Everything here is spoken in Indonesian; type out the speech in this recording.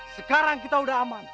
sekarang kita udah aman